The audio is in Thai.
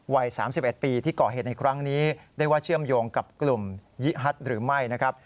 วัย๓๑ปีที่ก่อเหตุในครั้งนี้ได้ว่าเชื่อมโยงกับกลุ่มยี่ฮัทหรือไม่นะครับ